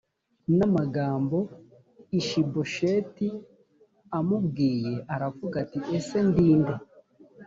n amagambo ishibosheti amubwiye aravuga ati ese ndi nde